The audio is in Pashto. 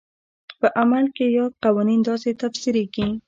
په عمل کې یاد قوانین داسې تفسیرېږي.